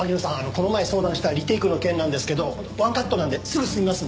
この前相談したリテイクの件なんですけどワンカットなんですぐ済みますんで。